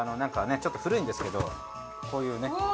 ちょっと古いんですけどこういうね。